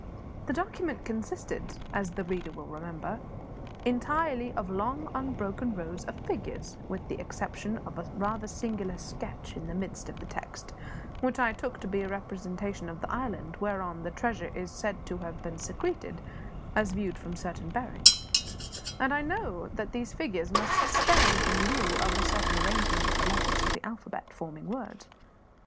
The document consisted, as the reader will remember, entirely of long, unbroken rows of figures with the exception of a rather singular sketch in the midst of the text, which I took to be a representation of the island whereon the treasure was said to have been secreted, as viewed from certain bearings and I knew that these figures must stand in lieu of a certain arrangement of the letters of the alphabet, forming words.